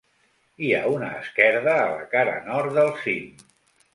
Hi ha una esquerda a la cara nord del cim.